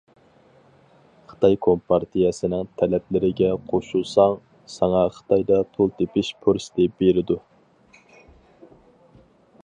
خىتاي كومپارتىيەسىنىڭ تەلەپلىرىگە قوشۇلساڭ، ساڭا خىتايدا پۇل تېپىش پۇرسىتى بېرىدۇ.